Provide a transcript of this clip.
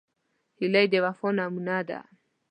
هیلۍ د وفا نمونه ده